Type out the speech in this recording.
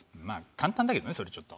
簡単だけどねそれちょっと。